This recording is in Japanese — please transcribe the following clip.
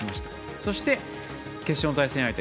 そして、決勝の対戦相手